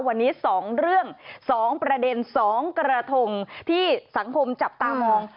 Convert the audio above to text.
วันนี้๒เรื่อง๒ประเด็น๒กระทงที่สังคมจับตามอง